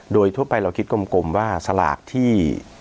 โดยทั่วไปเราคิดกลมว่าสลากที่